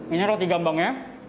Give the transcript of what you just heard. ini roti gambang ya